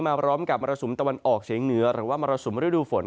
มาพร้อมกับมรสุมตะวันออกเฉียงเหนือหรือว่ามรสุมฤดูฝน